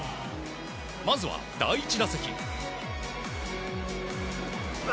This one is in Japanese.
まずは第１打席。